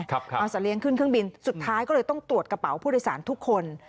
เอาสัตเลี้ยงขึ้นเครื่องบินสุดท้ายก็เลยต้องตรวจกระเป๋าผู้โดยสารทุกคน